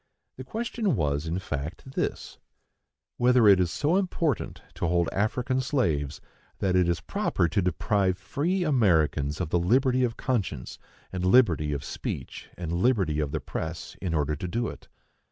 The question was, in fact, this,—whether it is so important to hold African slaves that it is proper to deprive free Americans of the liberty of conscience, and liberty of speech, and liberty of the press, in order to do it.